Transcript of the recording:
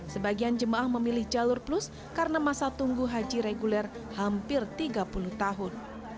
sebagian jemaah memilih jalur plus karena masa tunggu haji reguler hampir tiga puluh tahun